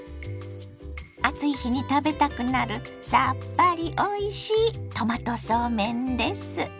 暑い日に食べたくなるさっぱりおいしいトマトそうめんです。